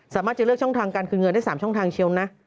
จะเลือกช่องทางการคืนเงินได้๓ช่องทางเชียวนะ